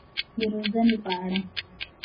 د روزنې په اړه.